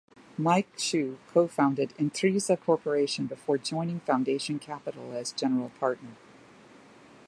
Mike Schuh co-founded Intrinsa Corporation before joining Foundation Capital as General Partner.